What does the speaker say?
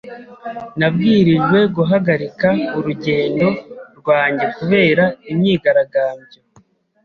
Nabwirijwe guhagarika urugendo rwanjye kubera imyigaragambyo.